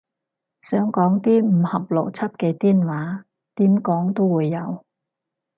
想講啲唔合邏輯嘅癲話，點講都會有